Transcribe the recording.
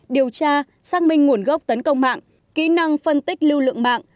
điều tra xác minh nguồn gốc tấn công mạng kỹ năng phân tích lưu lượng mạng